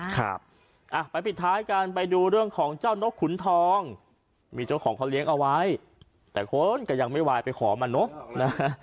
ครับอ่ะไปปิดท้ายกันไปดูเรื่องของเจ้านกขุนทองมีเจ้าของเขาเลี้ยงเอาไว้แต่คนก็ยังไม่วายไปขอมันนกนะฮะ